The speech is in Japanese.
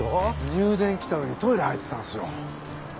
入電来た時トイレ入ってたんですよ。